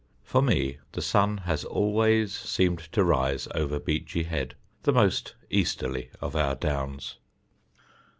For me the sun has always seemed to rise over Beachy Head, the most easterly of our Downs.